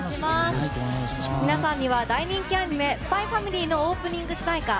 皆さんには大人気アニメ「ＳＰＹ×ＦＡＭＩＬＹ」のオープニング主題歌